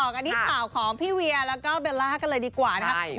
กันที่ข่าวของพี่เวียแล้วก็เบลล่ากันเลยดีกว่านะครับ